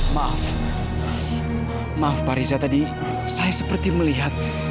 maaf maaf pak riza tadi saya seperti melihat